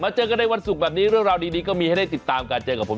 เจอกันในวันศุกร์แบบนี้เรื่องราวดีก็มีให้ได้ติดตามการเจอกับผม